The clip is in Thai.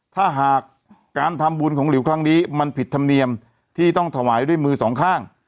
ถ้าหากการทำบุญของหลิวครั้งนี้มันผิดธรรมเนียมที่ต้องถวายด้วยมือสองข้าง